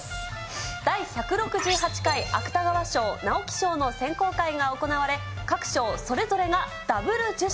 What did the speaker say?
第１６８回芥川賞・直木賞の選考会が行われ、各賞それぞれがダブル受賞。